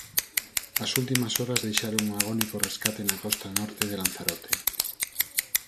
As últimas horas deixaron un agónico rescate na costa norte de Lanzarote.